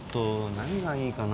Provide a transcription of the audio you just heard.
何がいいかな？